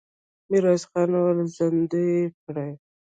ميرويس خان وويل: زندۍ يې کړئ!